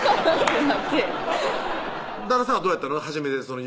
旦那さんはどうやったの？